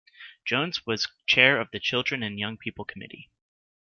Jones was Chair of the Children and Young People Committee.